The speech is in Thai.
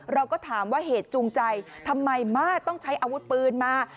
เราก็ถามว่าเหตุจูงใจทำไมมาต้องใช้อาวุธปืนมา